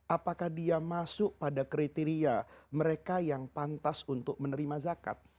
apakah dia masuk pada kriteria mereka yang pantas untuk menerima zakat